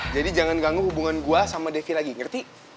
jadi jangan ganggu hubungan gue sama devi lagi ngerti